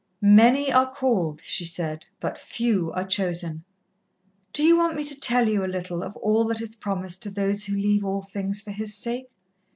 "Many are called," she said, "but few are chosen. Do you want me to tell you a little of all that is promised to those who leave all things for His sake?"